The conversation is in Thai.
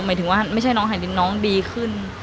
หมายถึงว่าไม่ใช่น้องแห่งหนึ่งน้องดีขึ้น